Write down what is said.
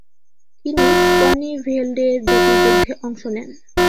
তিনি স্কনিভেল্ডের দুটি যুদ্ধে অংশ নেন।